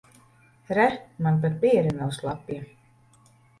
Re, man pat piere nav slapja.